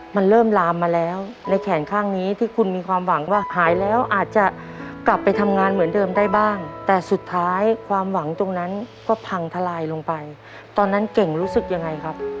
มันเริ่มลามมาแล้วในแขนข้างนี้ที่คุณมีความหวังว่าหายแล้วอาจจะกลับไปทำงานเหมือนเดิมได้บ้างแต่สุดท้ายความหวังตรงนั้นก็พังทลายลงไปตอนนั้นเก่งรู้สึกยังไงครับ